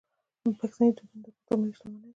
پښتني دودونه د افغانستان ملي شتمني ده.